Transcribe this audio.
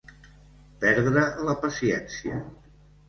Perdre la paciència.